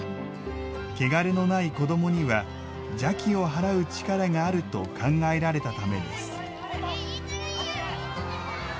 穢れのない子どもには邪気を払う力があると考えられたためです。